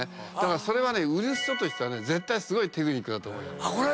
だからそれは売る人としては絶対すごいテクニックだと思うよ。